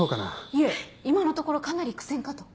いえ今のところかなり苦戦かと。